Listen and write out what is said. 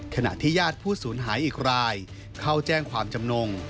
ขณะที่ญาติผู้สูญหายอีกรายเข้าแจ้งความจำนง